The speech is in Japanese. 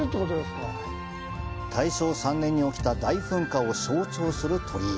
大正３年に起きた大噴火を象徴する鳥居。